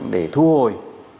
để thu hồi